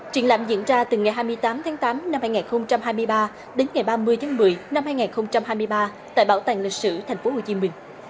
triển lãm diễn ra từ ngày hai mươi tám tháng tám năm hai nghìn hai mươi ba đến ngày ba mươi tháng một mươi năm hai nghìn hai mươi ba tại bảo tàng lịch sử tp hcm